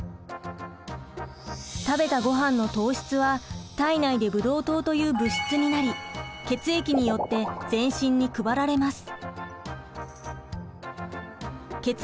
食べたごはんの糖質は体内でブドウ糖という物質になり血液によって全身に配られます。